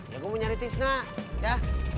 ya gue mau nyari tisna ya